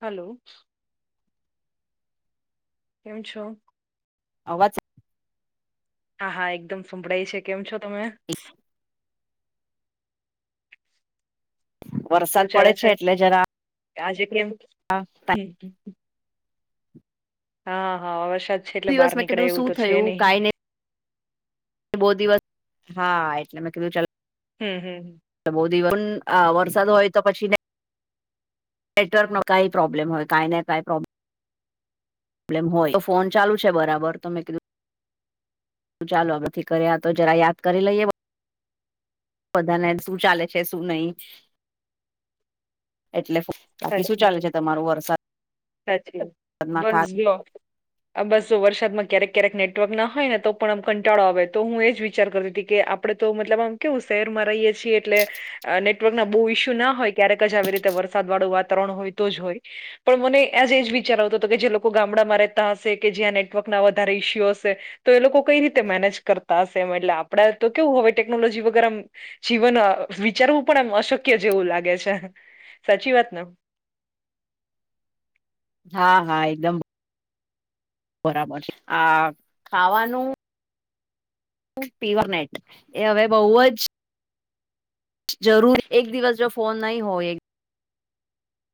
Hello. કેમ છો. અવાજ. હા હા એકદમ સંભળાય છે કેમ છો તમે એ. શું વરસાદ ચાલે પડે છે આજે કેમ. હા. હમ હા હા વરસાદ છે એટલે દિવસ બહાર મેં નીકળે કીધું એવું શું તો છે થયું નહી કઈ નઈ બહુ દિવસ હા એટલે મેં કીધું ચ હમ હમ હ બહ દિવન વરસાદ હોય તો પછી નેટવર્કનો કઈ પ્રોબ્લેમ હોય કઈને કઈ પ્રોબ્લેમ હોય તો ફોન ચાલુ છે બરાબર તો મેં કીધું શું ચાલો આ બથી કર્યા તો જરા યાદ કરી લઈએ બધાને શું ચાલે છે શું નહી એટલે બાકી શું સાચી ચાલે છે વાન તમારું વરસાદમાં સાચી વા ખા બસ [unintelligible] આ બસ જો વરસાદમાં ક્યારેક ક્યારેક નેટવર્ક ના હોય ને તો પણ આમ કંટાળો આવે તો હું એ જ વિચાર કરતી હતી કે આપડણે તો મતલબ આમ કેવું શેર મરાઈએ છીએ એટલે નેટવર્ક ના બહુ ઈસ્યુ ના હોય ક્યારેક જ આવી રીતે વરસાદ વાળું વાતાવરણ હોય તો જ હોય પણ મને આજ એજ વિચાર આવતો હતો કે જે લોકો ગામડામાં રહેતા હશે કે જ્યાં નેટવર્કના વધારે ઇસ્યુ હશે- તો એ લોકો કઈ રીતે મેનેજ કરતા હશે એ એટલે આપડા તો કેવું હવે ટેકનોલોજી વગર જીવન વિચારવું પણ એમ અશક્ય જેવું લાગે છે. સાચી વાત ને હા હા એકદમ બરાબર છે આ ખાવાનું પીવરનેટ એ હવે બહુ જ જરૂર એક દિવસ જો ફોન નહીં હોય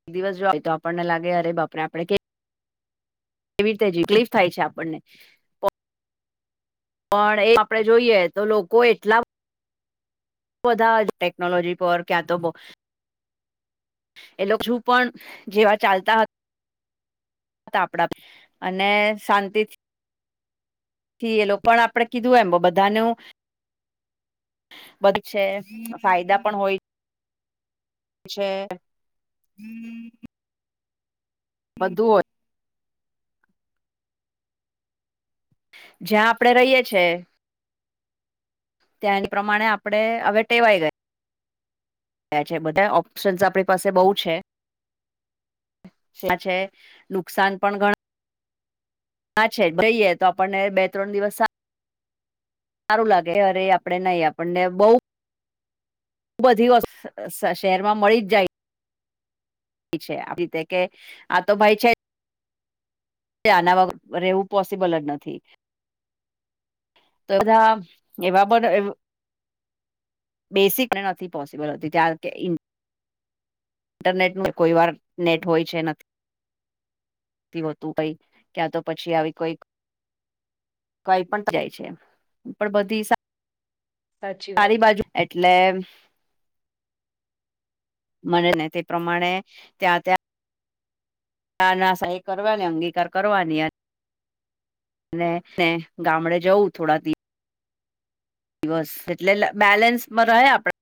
એક દિવસ જો હોય તો આપણને લાગે અરે બાપે આપડણ એવી રીતે તકલીફ થાય છે આપણને પણ એ આપડે જોઈએ તો લોકો એટલા વધધા ટેકનોલોજી પરર ક્યાં તો બ એ લોકો શું પણ જેવા ચાલતા હતા આપડા અને શાંતિથી થી એલો પણ આપડણે કીધું એમ બધાનું બધું છે ફાયદા પણ હોય છે બધું હોય જ્યાં આપડે રહીએ છી ત્યાં પ્રમાણે આપડણે હવે ટેવાઈ ગયા. એ છે બધા ઓપ્શન્સ આપણી પાસે બહુ છે. છે નુકસાન પણ ઘણા હા છે જઈએ તો આપણને બે ત્રણ દિવસ સારું લાગે અરે આપડે નહી આપણને બહ બધી શહેર માં મળી જ જાય છે આવી રીતે કે આ તો ભાઈ છે. આના વ રહેવું પોસિબલ જ નથી. તો બધા એવા પણ બેસિક ને નથી પોસિબલ નથી હોતી ઇન્ટરનેટ ન કોઈ વાર નેટ હોય છે નથી તું પ ક્યાં તો પછી આવી કોઈ કઈ પણ જાય છે પણ બધી સાચી વાત સારી બાજુ એટલે મને ને તે પ્રમાણે ત્યાં ત્યાં ના ના સા એ કરવાની અંગીકાર કરવાની ગામડે જવું થોડા દિવ દિવસ એટલે બેલેન્સ માં રહા આપડે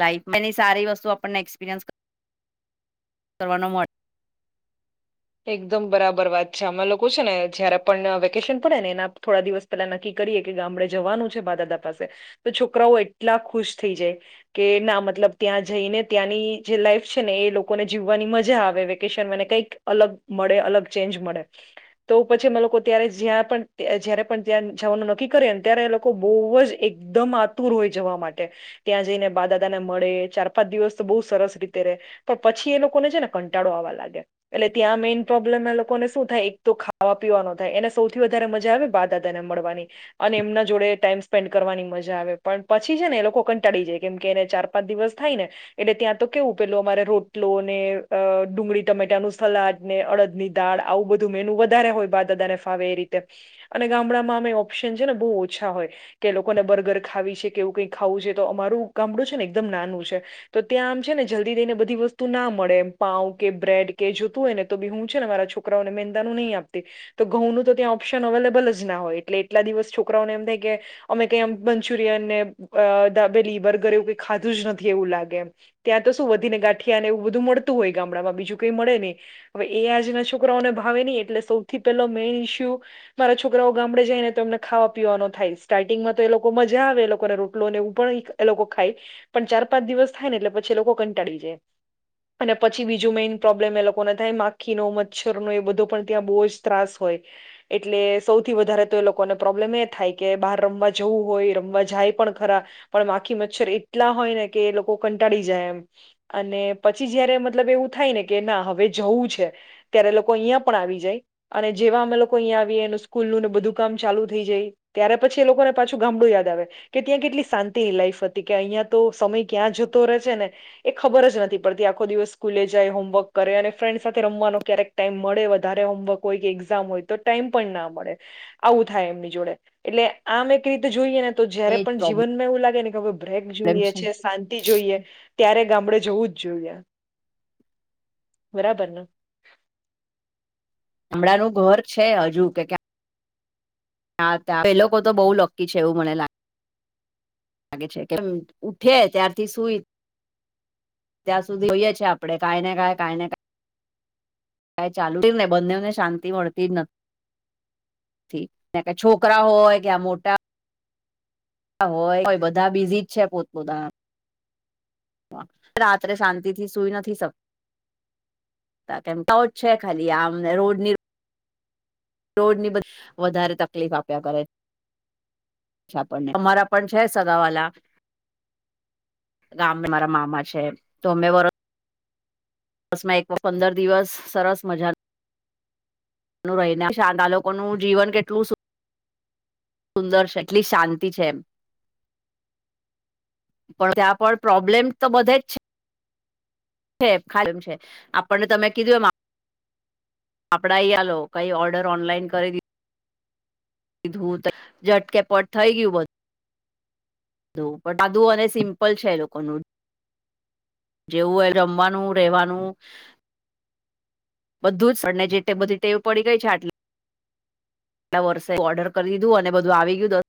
લ એની સારી વસ્તુ આપણને એક્સપિરિયન્સ કરવાનો મળે એકદમ બરાબર વાત છે અમે લોકો છે ને જયારે પણ વેકેશન પડે ને એના થોડા દિવસ પેલા નક્કી કરીએ કે ગામડે જવાનું છે બા દાદા પાસે તો છોકરાઓ એટલા ખુશ થઈ જાય કે ના મતલબ ત્યાં જઈને ત્યાંની જે લાઈફ છે ને એ લોકોને જીવવાની મજા આવે વેકેશનને કઈક અલગ મળે અલગ ચેન્જ મળે તો પછી અ લોકો ત્યારે જ્યાં પણ જયારે પણ ત્યાં જવાનું નક્કી કરે ને ત્યારે એ લોકો બહુ જ એકદમ આતુર હોય જવા માટે ત્યાં જઈને બા દાદા ને મળે ચાર પાંચ દિવસ તો બહુ સરસ રીતે ર રહે પણ પછી એ લોકોને છે ને કંટાળો આવવા લાગે એટલે ત્યાં મેઈન પ્રોબ્લેમ એ લોકોને શું થાય એક તો ખાવા પીવાનો થાય એને સૌથી વધારે મજા આવે બાદા ને મળવાની અને એમના જોડે ટાઈમ સ્પેન્ડ કરવાની મજા આવે પણ પછી છે ને એ લોકો કંટાળી જાય કેમ કે એને ચાર પાંચ દિવસ થાય ને એટલે ત્યાં તો કેવું પેલું અમારે રોટલો ને અ ડુંગળી ટમેટાનું ફલાદ ને અડદ ની દાળ આવું બધું મેન વધારે હોય બા દાદા ને ફાવે એ રીતે અને ગામડામાં અમે ઓપ્શન છે ને બહુ ઓછા હોય કે લોકોને બર્ગર ખાવી છે કેવું કઈ ખાવું છે તો અમારું ગામડું છે ને એકદમ નાનું છે તો ત્યાં આમ છે ને જલ્દી થઈને બધી વસ્તુ ના મળે એમ પાઉ કે બ્રેડ કે જોતું હોય ને તો બી હું છે ને મારા છોકરાઓને મેંદાનું નહીં આપતી તો ઘઉંનું તો ત્યાં ઓપ્શન અવેલેબલ જ ના હોય એટલે એટલા દિવસ છોકરાઓને એમ થાય કે અમે કઈ મંચુરિયન ને અ દાબેલી બર્ગર એવું કઈ ખાધું જ નથી એવું લાગે એમ ત્યાં તો શું વધીને ગાંઠિયાને એવું બધું મળતું હોય ગામડામાં બજું કઈ મળે નહી હવે એ આજના છોકરાઓને ભાવે નહી એટલે સૌથી પેલો મેઈન ઇસ્યુ મારા છોકરાઓ ગામડે જાય ને તો એમને ખાવા પીવાનો થાય સ્ટાર્ટિંગમાં તો એ લોકો મજા આવે એ લોકોને રોટલો ને એવું પણ. એ લોકો ખાય પણ ચાર પાંચ દિવસ થાય ને એટલે પછી એ લોકો કંટાળી જાય. અને પછી બીજું મેન. પ્રોબ્લેમ એ લોકોને થાય માખીનો મચ્છરનોો એ બધો પણ ત્યાં બહુ જ ત્રાસ હોય. એટલે સૌથી વધારે તો એ લોકોને પ્રોબ્લેમ એ થાય કે બહાર રમવા જવું હોય રમવા જાય પણ ખરા. પણ માખી મચ્છર એટલા હોય ને કે એ લોકો કંટાળી જાય એમ. અને પછી જયારે મતલબ એવું થાય ને. કે ના હવે જવું છે ત્યારે લોકો અહીં પણ આવી જાય અને જેવા અમે લોકો. અહીયા આવી અને સ્કૂલ નું ને બધું કામ ચાલુ થઈ જાય ત્યારે પછી એ લોકોને પાછું ગામડું યાદ આવે. કે ત્યાં કેટલી શાંતિની લાઈફ હતી કે અહિયાં તો સમય ક્યાં જતો રહે છે ને. એ ખબર જ નથી પડતી આખો દિવસ સ્કૂલે જાય હોમવર્ક. કરે અને ફ્રેન્ડ સાથે રમવાનો ક્યારેક ટાઈમ મળે વધારે હોમવર્ક હોય કે એક્ઝામ હોય તો ટાઈમ પણ ના મળે. આવું થાય એમની જોડે એટલે આમ એક રીતે જોઈએને. તો એ જય જ પણ પ્રોબ્લેમ જીવનમાં એવું લાગે ને કે હવે બ્રેક જોયઈએ છે. શાંતિ જોઈએ ત્યારે ગામડે જવું જ જોઈએ. બરાબર. હમણાંનું ઘર છે હજુ કે. હા ત્યાં લોકો તો બઉુ લક્કી છે એવું મને લાગે. લાગે છે કેમ ઉઠે ત્યારથી સુઈ. ત્યાં સુધી જોઈએેએ આપણે કાઈ ને ક કઈ ને. ક ચાલુ ને બંનેને શાંતિ મળતી જ નથી. છોકરા હોય કે્યા મોટા. હોય બધા બીઝીજ છે પોતપોતા. રાત્રે શાંતિ થી સુઈ નથી શક. છે ખાલી આમને રોડ ની. રોડ ની બ વધારે તકલીફ આપ્યા કરે. ચછા અમારા પણ છે સગાવાલા. ગામ મારા મામા છે તો અમે વ. બસ માં એક પંદર દિવસ સરસ મજા રહીને સાાંદા લોકો નું જીવન કેટલુ સુંદર છે એટલી શાંતિ છે, એમ પણ ત્યાં પણ પ્રોબ્લેમ તો બધે જ છે. છે ખામ છે આપણને તમે કીધું એમ આપડા ઈ આાલ કઈ ઓર્ડર ઓનલાઈન કરી દી કીધું ઝટકેપટ થઈ ગયું બધુ બટ આધું અને સિમ્પલ છે, લોકોનુ જેવું હોય રમવાનું રહેેવાનુ બધું જને જે બધી ટેવ પડી ગઈ છે, આટલે આટલા વર્ષે ઓર્ડર કરી દીધું અને બધું આવી ગયું દસ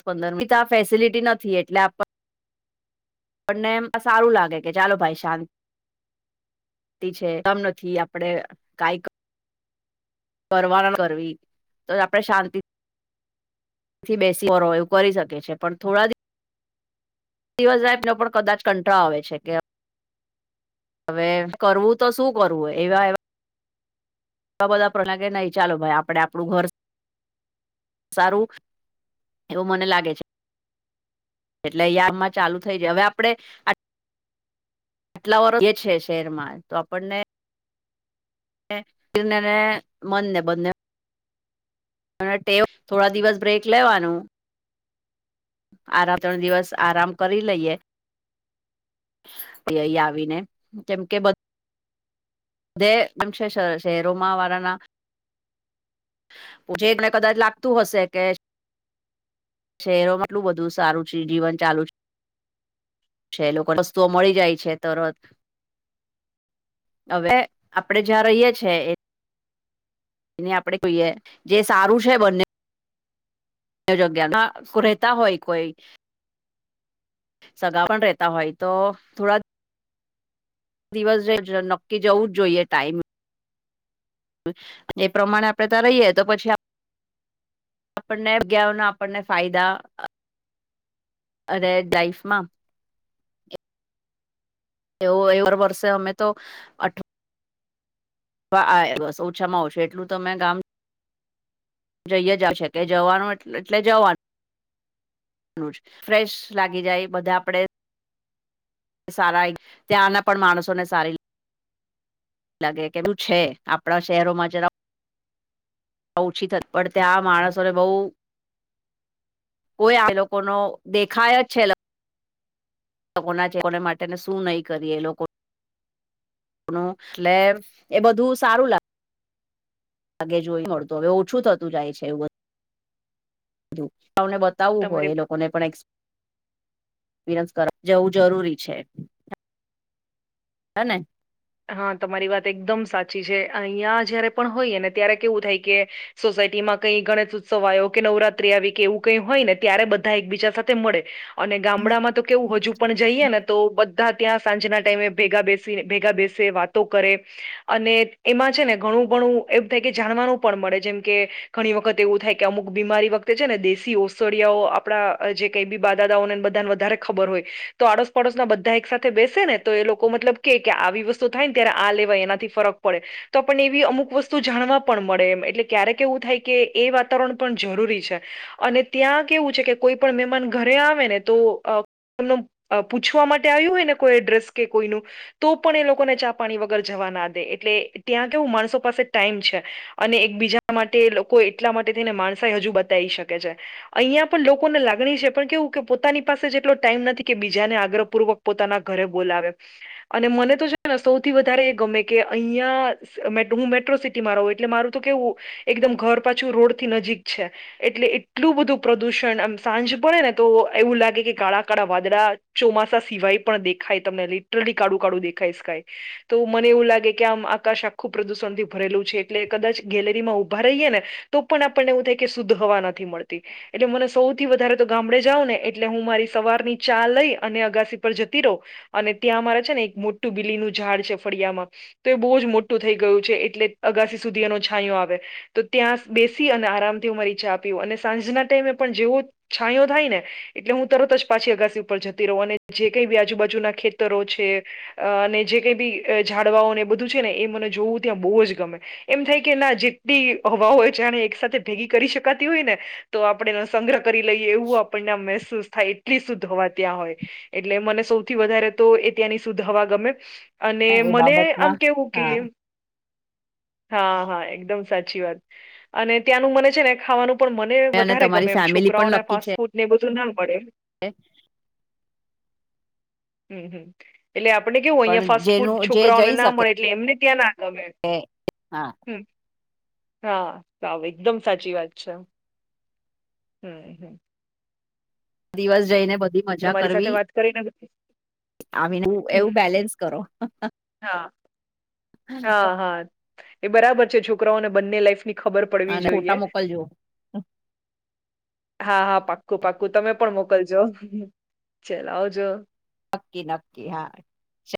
સ પંદરી આ ફેસિલિટી નથી એટલે આપ પણને એ સારું લાગે કે ચાલો ભાઈ શાં મ નથી આપડે કઈ કરવાના કરવી તો આપડે શાંતિ બેસી કરી શકે છે, પણ થોડાિવ દિવસ રાાય નો પણ કદાચ કંટાળ આવે છે, કે હવે કરવું તો શું કરવું એવા વા બધા પ્ર લાગે નહી ચાલો ભાઈ આપડ આપણું ઘર સારું એવું મને લાગે છે. એટલે અહંયા આમાં ચાલુ થઈ જાય, હવે આપડે. આટલા વર્ષ એ છે, શેરમાં તો આપણને કીરને મનને બંને અને ટે થોડા દિવસ બ્રેક લેવાન આરામ ત્રણ દિવસ આરામ કરી લઈએ તે અહીં આવીને કેમ કે બધ દય વિમશે શશેરોમાવરના પછને કદાચ લાગતું હશે કે શહેરોમાં એટલું બધું સારુ છે, જીવન ચાલુ છે. લોકોને વસ્તુઓ મળી જાય છે, તરત હવે આપડે જ્યાં રહીએ છેએ. એને આપડે જોઈએ જે સારું છે, બને જગ્યા ના રહેતા હોય, કોઈ સગા પણ રહેેતા હોય, તો થોડા દિવસ જે નક્કી જવું જ જોઈએ ટાઈમ એ પ્રમાણે આપડે તો રહીએે તો પછી. આપણને જગ્યાઓના આપણને ફાયદા અરે ડ્રાઈફ્ટમા એવું એવાર વર્ષે અમે તો અઠ આ ઓછામાં આવશે એટલું તો મે ગામ. જઈએ જ આવી શકે જવાનું એ એટલે જવાનુ ફ્રેશ લાગી જાય બધા આપડે સારા ત્યાં ના પણ માણસો ને સારી લાગે કેલું છે આપણા શહેરોમાં જ ઓછી થ પણ ત્યાં માણસો ને બહુ કોઈ આ લોકો ન દેખાય જ છે. ના છે કોને માટેને શું નહી કરી એ લોકો એટલે એ બધું સારું લાગ આગે જોઈ મળતું હવે ઓછું થતું જાય છે એવું બધુ બ તને બતાવવું હોય તમારી એ લોકોને પણ એક્સપરીએન્સ કરવા જવું જરૂરી છે. હને હા તમારી વાત એકદમ સાચી છે. અહિયાં જયારે પણ હોઈએ ને ત્યારે કેવું થાય કે સોસાયટીમાં કઈ ગણેશ ઉત્સવ આવ્યો કે નવરાત્રી આવી કે એવું કઈ હોય ને ત્યારે બધા એકબીજા સાથે મળે. અને ગામડામાં તો કેવું હજુ પણ જઈએ. ને તો બધા ત્યાં સાંજના ટાઈમે ભેગા બેસી ભેગા બેસી સે વાતો કરે. અને એમાં છે ને ઘણું ઘણું એમ થાય કે જાણવાનું પણ મળે જેમ કે ઘણી વખત એવું થાય કે અમુક બીમારી વખતે છે ને દેશી ઓસળિયાઓ આપણા જે કઈ બી બાદાદાઓને બધાને વધારે ખબર હોય તો આડોસ પડોશ ના બધા એક સાથે બેસે ને તો એ લોકો મતલબ કે આવી વસ્તુ થાય ને ત્યારે આ લેવાય એનાથી ફરક પડે. તો પણને એવી અમુક વસ્તુ જાણવા પણ મળે એમ એટલે ક્યારેક એવું થાય કે એ વાતાવરણ પણ જરૂરી છે. અને ત્યાં કેવું છે કે કોઈ પણ મહેમાન ઘરે આવે ને તો પૂછવા માટે આવ્યું હોય ને કોઈ એડ્રેસ કે કોઈનું તો પણ એ લોકો લોકોને ચા પાણી વગર જવા ના દે એટલે ત્યાં કેવું માણસો પાસે ટાઈમ છે. અને એકબીજા માટે લોકો એટલા માટે થઈને માણસ એ હજુ બતાવી શકે છે. અહિયાં પણ લોકોને લાગણી છે પણ કેવું કે પોતાની પાસે જેટલો ટાઈમ નથી કે બીજાને આગ્રપૂર્વક પોતાના ઘરે બોલાવે અને મને તો સૌથી વધારે એ ગમે કે અહિયાં હું મેટ્રો સિટીમાં રહું એટલે મારું તો કેવું એકદમ ઘર પાછું રોડથી નજીક છે. એટલે એટલું બધું પ્રદુષણ આમ સાંજ પડે ને તો એવું લાગે કે કાળા કાળા વાદળા ચોમાસા સિવાય પણ દેખાય તમને લિટરલી કાળું કાળું દેખાય સ્કાય. તો મને એવું લાગે કે આમ આકાશ આખું પ્રદૂષણ થી ભરેલું છે. એટલે કદાચ ગેલેરી માં ઊભા રહીએ ને તો પણ આપણને એવું થાય કે શુદ્ધ હવા નથી મળતી. એટલે મને સૌથી વધારે તો ગામડે જાાવ ને એટલે હું મારી સવારની ચા લઈ અને અગાસી પર જતી રહું. અને ત્યાં અમારે છે ને એક મોટું બીલીનું ઝાડ છે ફળિયામાં તો એ બહુ જ મોટું થઈ ગયું છે એટલે અગાસી સુધી એનો છાંયો આવે તો ત્યાં બેસી અને આરામથી હું મારી ચા પીવ અને સાંજના ટાઈમે પણ જેવો છાયો થાય ને એટલે હું તરત જ પાછી અગાસી ઉપર જતી રહું અને જે કઈ બી આજુબાજુના ખેતરો છે. અ અને જે કઈ બી ઝાડવાઓને બધું છે ને એ મને જોવું ત્યાં બહુ જ ગમે. એમ થાય કે એના જેટલી હવાઓ હોય છેને એક સાથે ભેગી કરી શકાતી હોય ને તો આપણે એનો સંગ્રહ કરી લઈએ એવું આપણને આમ મહેસૂસ થાય. કેટલી શુદ્ધ હોવા ત્યાં હોય એટલે મને સૌથી વધારે તો એ ત્યાંની શુદ્ધ હવા ગમે. અને એ મને બાબતમાં આમ કેવું કે હા હા હા એકદમ સાચી વાત અને ત્યાંનું મને છે ને ખાવાનું પણ મન અને વધારે ગમે તમારી એમ ફેમિલી છોકરાઓને ફાસ્ટફૂડ ને એ બધું ના મળે. એક હમ્મ હમ્મ એટલે આપણે કેવું પણ અહંયા ફાસ્ટ ફૂડ જેનું જે છોકરાઓને જઈ ના શકે મળે એટલે એમને ત્યાં ના ગમે. હા હમ હા સાવ એકદમ સાચી વાત છે. હમ્મ હમ્મ દિવસ જઈને બધી મજા તમારી કરવી સાથે વાત કરીને હમ આવીને એવું હમ બેલેન્સ કરો. હા હા હા એ બરાબર છે છોકરાઓને બંને લાઈફની ખબર પડવી અને જોઈએ. ફોટા [inaudible] હા હા પાક્કું પાક્કું તમે પણ મોકલજો, ચલો આવજો. નક્કી નક્કી હા.